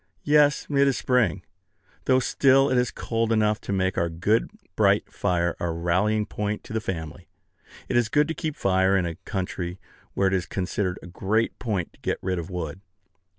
Yes, it is spring; though still it is cold enough to make our good bright fire a rallying point to the family. It is good to keep fire in a country where it is considered a great point to get rid of wood.